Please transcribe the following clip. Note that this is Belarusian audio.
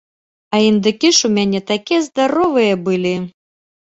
А індыкі ж у мяне такія здаровыя былі!